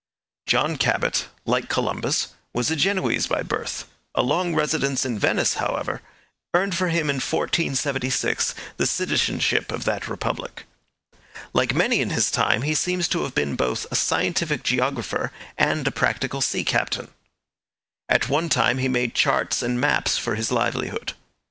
John Cabot, like Columbus, was a Genoese by birth; a long residence in Venice, however, earned for him in 1476 the citizenship of that republic. Like many in his time, he seems to have been both a scientific geographer and a practical sea captain. At one time he made charts and maps for his livelihood.